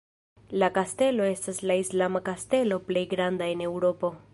La Kastelo estas la islama kastelo plej granda en Eŭropo.